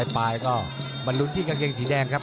ปลายก็บรรลุดที่กางเกงสีแดงครับ